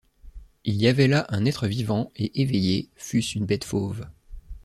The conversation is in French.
Il y avait là un être vivant et éveillé, fût-ce une bête fauve.